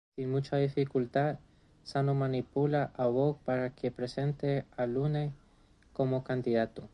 Sin mucha dificultad Sano manipula a Bog para que presente a Lune como candidato.